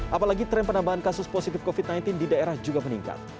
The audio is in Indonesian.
apalagi tren penambahan kasus positif covid sembilan belas di daerah juga meningkat